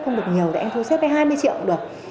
không được nhiều thì anh thu xếp với hai mươi triệu cũng được